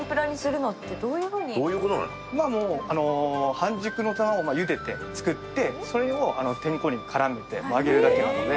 半熟の卵を茹でて作ってそれを天粉に絡めて入れるだけなので。